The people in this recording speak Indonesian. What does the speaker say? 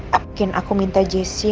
mungkin aku minta jessy